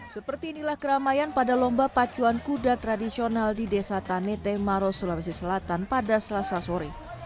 seperti inilah keramaian pada lomba pacuan kuda tradisional di desa tanete maros sulawesi selatan pada selasa sore